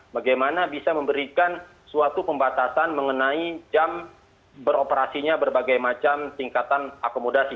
bagaimana bisa memberikan suatu pembatasan mengenai jam beroperasinya berbagai macam tingkatan akomodasi